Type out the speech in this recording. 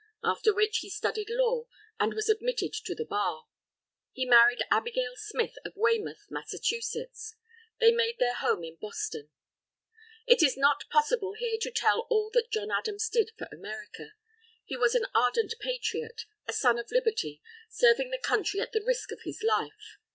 After which he studied law, and was admitted to the bar. He married Abigail Smith of Weymouth, Massachusetts. They made their home in Boston. It is not possible here to tell all that John Adams did for America. He was an ardent Patriot, a Son of Liberty, serving the country at the risk of his life.